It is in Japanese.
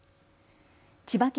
千葉県